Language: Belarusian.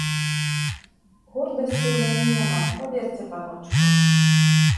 Гордасці ў мяне няма, паверце, паночку.